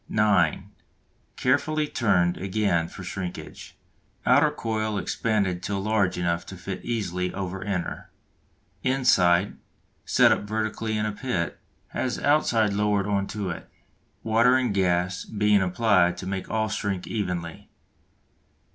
(9) Carefully turned again for shrinkage. Outer coil expanded till large enough to fit easily over inner. Inside, set up vertically in a pit, has outside lowered on to it, water and gas being applied to make all shrink evenly.